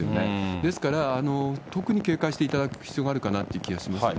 ですから、特に警戒していただく必要があるかなという気がしますね。